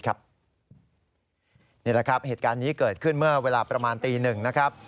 นี่แหละครับเหตุการณ์นี้เกิดขึ้นเมื่อเวลาประมาณตีหนึ่งนะครับ